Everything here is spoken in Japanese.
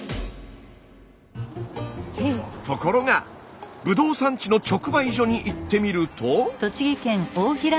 ところがブドウ産地の直売所に行ってみると。